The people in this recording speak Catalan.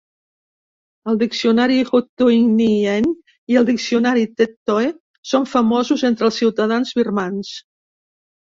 El diccionari "U Htun Nyein" i el diccionari "Tet Toe" són famosos entre els ciutadans birmans.